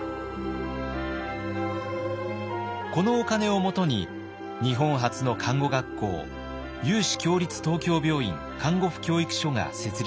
このお金をもとに日本初の看護学校有志共立東京病院看護婦教育所が設立されます。